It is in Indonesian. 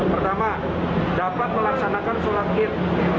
pertama dapat melaksanakan sholat id